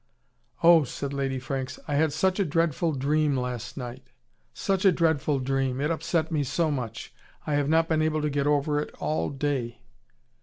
"Oh," said Lady Franks, "I had such a dreadful dream last night, such a dreadful dream. It upset me so much. I have not been able to get over it all day."